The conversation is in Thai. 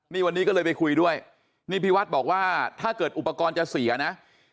นี่วันนี้ก็เลยไปคุยด้วยนี่พี่วัดบอกว่าถ้าเกิดอุปกรณ์จะเสียนะ